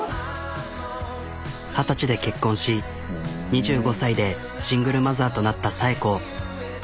二十歳で結婚し２５歳でシングルマザーとなった紗栄子。